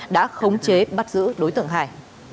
đã khống chế bắt giữ đối tượng hải